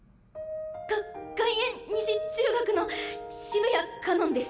が外苑西中学の澁谷かのんです。